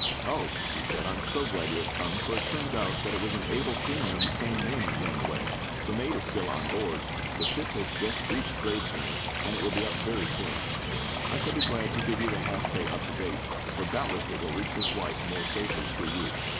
"Oh," he said, "I am so glad you have come, for it turns out that it was an able seaman of the same name that ran away. The mate is still on board; the ship has just reached Gravesend, and will be up very soon. I shall be glad to give you the half pay up to date, for doubtless it will reach his wife more safely through you.